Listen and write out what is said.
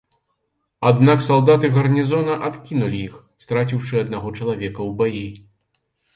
Аднак салдаты гарнізона адкінулі іх, страціўшы аднаго чалавека ў баі.